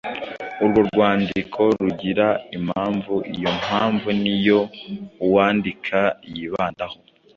Urwo rwandiko rugira impamvu, iyo mpamvu ni yo uwandika yibandaho